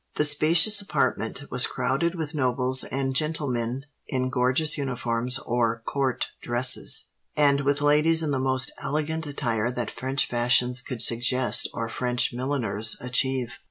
The spacious apartment was crowded with nobles and gentlemen in gorgeous uniforms or court dresses; and with ladies in the most elegant attire that French fashions could suggest or French milliners achieve.